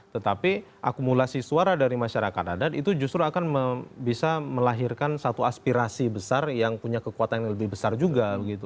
tetapi akumulasi suara dari masyarakat adat itu justru akan bisa melahirkan satu aspirasi besar yang punya kekuatan yang lebih besar juga